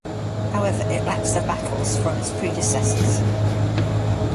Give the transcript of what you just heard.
However, it lacks the battles from its predecessors.